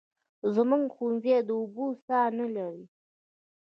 زموږ ښوونځی د اوبو څاه نلري